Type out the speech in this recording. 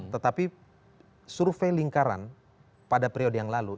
tetapi survei lingkaran pada periode yang lalu